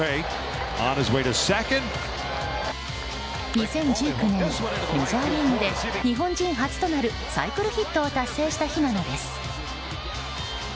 ２０１９年、メジャーリーグで日本人初となるサイクルヒットを達成した日なのです。